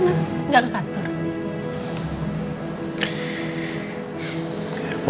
enggak ke kantor